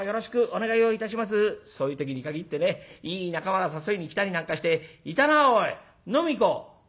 そういう時に限ってねいい仲間が誘いに来たりなんかして「いたなおい。飲みに行こう」。